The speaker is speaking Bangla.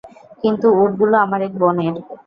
কিন্তু উটগুলো আমার এক বোনের।